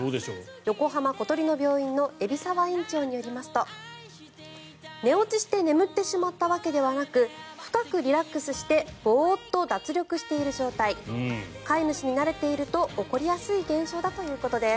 横浜小鳥の病院の海老沢院長によりますと寝落ちして眠ってしまったわけではなく深くリラックスしてボーッと脱力している状態飼い主になれていると起こりやすい現象だということです。